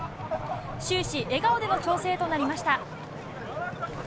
終始笑顔での調整となりました。